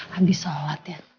habis sholat ya